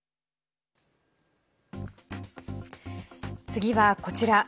次は、こちら。